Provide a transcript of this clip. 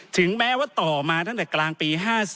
ถึงแม้ว่าต่อมาตั้งแต่กลางปี๕๔